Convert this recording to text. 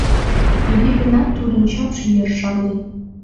Туге гынат тудын чапше йыр шарлен.